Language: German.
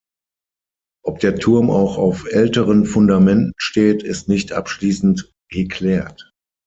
Ob der Turm auch auf älteren Fundamenten steht, ist nicht abschließend geklärt.